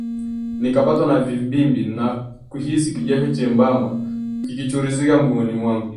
nikapatwa na vimbimbi na kuhisi kijasho chembamna kikichuruzika mgongoni mwangu